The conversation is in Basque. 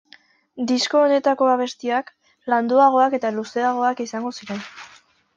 Disko honetako abestiak, landuagoak eta luzeagoak izango ziren.